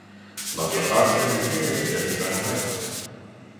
Nach Vertragsende ging er wieder in seine Heimat.